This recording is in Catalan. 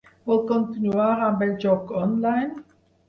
Vol continuar amb el joc online?